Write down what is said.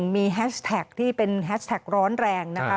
มีแฮชแท็กที่เป็นแฮชแท็กร้อนแรงนะคะ